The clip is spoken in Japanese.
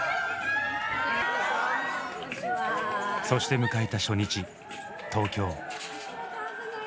そして迎えた初日東京。